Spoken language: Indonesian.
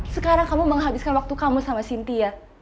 sekarang kamu menghabiskan waktu kamu sama cynthia